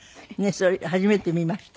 それ初めて見ました。